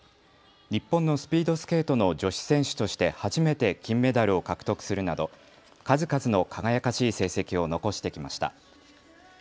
日本のスピードスケートの女子選手として初めて金メダルを獲得するなど数々の輝かしい成績を残してきました。